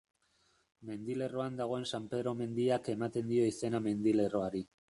Mendilerroan dagoen San Pedro mendiak ematen dio izena mendilerroari.